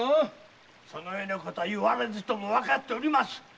そのようなこと言われずともわかっております！